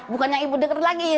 bukannya ibu denger lagi